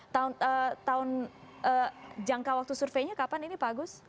tahun jangka waktu surveinya kapan ini pak agus